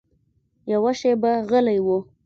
يوه شېبه غلى و.